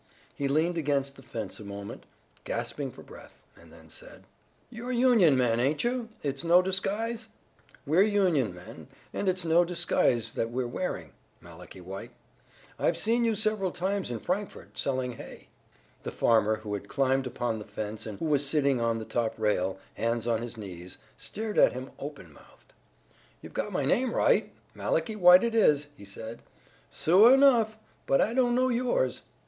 He leaned against the fence a moment, gasping for breath, and then said: "You're Union men, ain't you? It's no disguise?" "Yes," replied Colonel Winchester, "we're Union men, and it's no disguise that we're wearing, Malachi White. I've seen you several times in Frankfort, selling hay." The farmer, who had climbed upon the fence and who was sitting on the top rail, hands on his knees, stared at him open mouthed. "You've got my name right. Malachi White it is," he said, "suah enough, but I don't know yours.